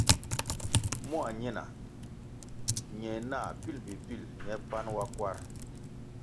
Mua ñina ñe nah pil mbpi pil ñe panʼ wa kwarʼ.